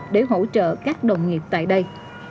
để hỗ trợ các đồng nghiệp tại đây